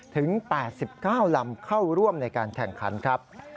ถึง๘๙ลำเข้าร่วมในการแข่งขันครับ